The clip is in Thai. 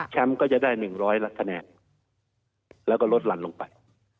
ก็จะได้๑๐๐ละคะแนนแล้วก็ลดหลั่นลงไป